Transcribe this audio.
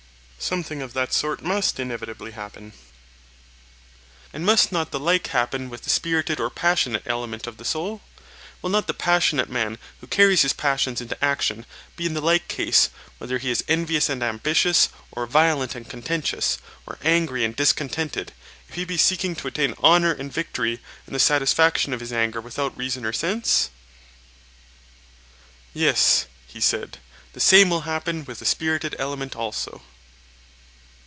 Something of that sort must inevitably happen. And must not the like happen with the spirited or passionate element of the soul? Will not the passionate man who carries his passion into action, be in the like case, whether he is envious and ambitious, or violent and contentious, or angry and discontented, if he be seeking to attain honour and victory and the satisfaction of his anger without reason or sense? Yes, he said, the same will happen with the spirited element also.